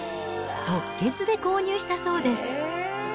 即決で購入したそうです。